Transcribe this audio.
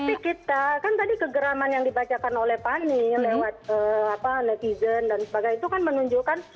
tapi kita kan tadi kegeraman yang dibacakan oleh pani lewat netizen dan sebagainya itu kan menunjukkan